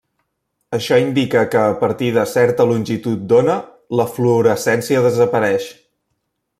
Això indica que a partir de certa longitud d'ona la fluorescència desapareix.